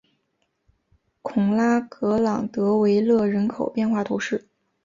孔拉格朗德维勒人口变化图示